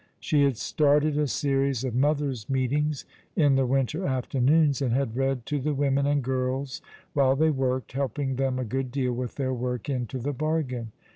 She had started a series of mothers' meetings in the winter afternoons, and had read to the women and girls while they worked, heli:)ing them a good deal with their work into the bargain.